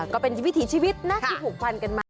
ก็เป็นวิถีชีวิตนะที่ผูกพันกันมา